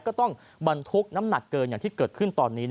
ก็ต้องบรรทุกน้ำหนักเกินอย่างที่เกิดขึ้นตอนนี้